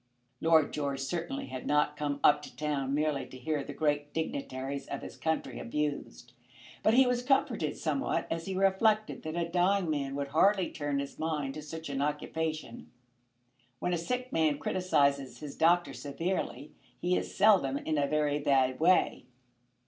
Lord George certainly had not come up to town merely to hear the great dignitaries of his country abused. But he was comforted somewhat as he reflected that a dying man would hardly turn his mind to such an occupation. When a sick man criticises his doctor severely he is seldom in a very bad way.